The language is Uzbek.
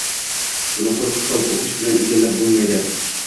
Buni quruq kitob o‘qish bilan egallab bo‘lmaydi.